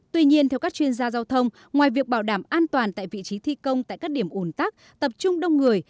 tuy nhiên theo các chuyên gia giao thông ngoài việc bảo đảm an toàn tại vị trí thi công tại các điểm ổn tắc tập trung đông người